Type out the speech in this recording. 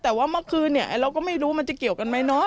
แต่ว่าเมื่อคืนเนี่ยเราก็ไม่รู้มันจะเกี่ยวกันไหมเนาะ